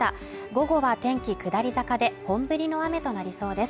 午後は天気下り坂で本降りの雨となりそうです。